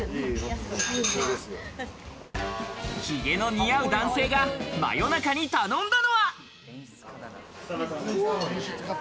ヒゲの似合う男性が真夜中に頼んだのは。